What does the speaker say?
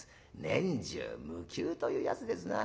年中無休というやつですな。